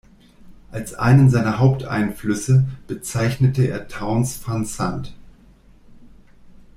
Als einen seiner Haupteinflüsse bezeichnete er Townes Van Zandt.